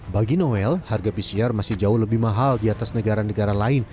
bagi noel harga pcr masih jauh lebih mahal di atas negara negara lain